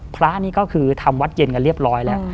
พระนี่ก็คือทำวัดเย็นกันเรียบร้อยแล้ว